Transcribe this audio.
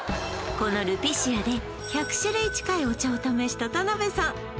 このＬＵＰＩＣＩＡで１００種類近いお茶を試した田辺さん